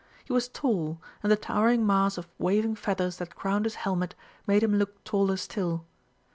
He was tall, and the towering mass of waving feathers that crowned his helmet made him look taller still.